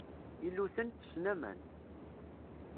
Iluten ttessen aman.